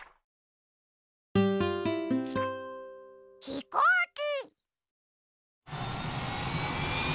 ひこうき。